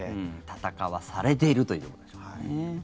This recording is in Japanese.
戦わされているということでしょうかね。